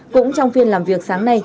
cũng trong phiên làm việc sáng nay